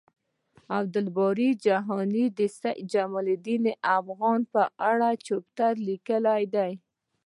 عبد الباری جهانی د سید جمالدین افغان په اړه چټیات لیکلی دی